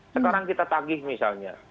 sekarang kita tagih misalnya